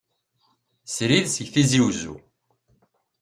Srid seg Tizi uzzu.